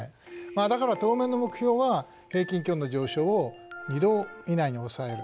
まあだから当面の目標は平均気温の上昇を２度以内に抑える。